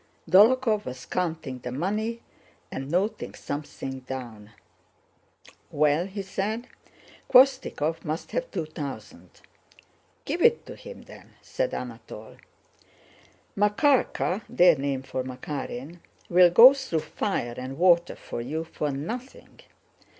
Dólokhov was counting the money and noting something down. "Well," he said, "Khvóstikov must have two thousand." "Give it to him, then," said Anatole. "Makárka" (their name for Makárin) "will go through fire and water for you for nothing.